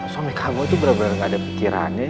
suami kamu itu bener bener nggak ada pikirannya